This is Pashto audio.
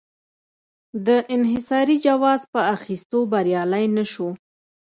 د انحصاري جواز په اخیستو بریالی نه شو.